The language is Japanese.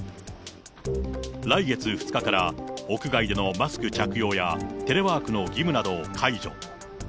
来月２日から屋外でのマスク着用や、テレワークの義務などを解除。